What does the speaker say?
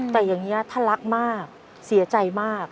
แต่อย่างนี้ถ้ารักมากเสียใจมาก